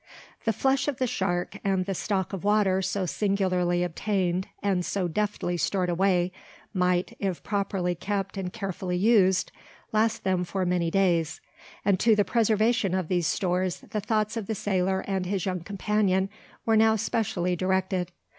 The flesh of the shark, and the stock of water so singularly obtained and so deftly stored away, might, if properly kept and carefully used, last them for many days; and to the preservation of these stores the thoughts of the sailor and his young companion were now specially directed.